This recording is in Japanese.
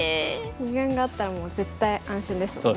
二眼があったらもう絶対安心ですもんね。